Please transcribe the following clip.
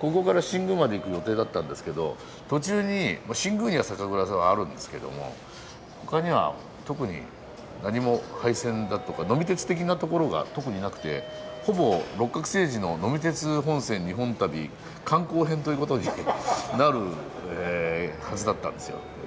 ここから新宮まで行く予定だったんですけど途中にまあ新宮には酒蔵さんがあるんですけども他には特に何も廃線だとか呑み鉄的な所が特になくてほぼ「六角精児の呑み鉄本線日本旅・観光編」ということになるはずだったんですよ。